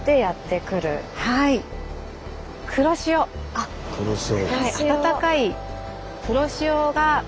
あっ黒潮。